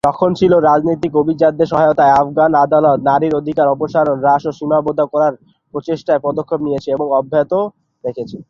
রক্ষণশীল ও রাজনৈতিক অভিজাতদের সহায়তায়, আফগান আদালত নারীর অধিকার অপসারণ, হ্রাস বা সীমাবদ্ধ করার প্রচেষ্টায় পদক্ষেপ নিয়েছে এবং অব্যাহত রেখেছে।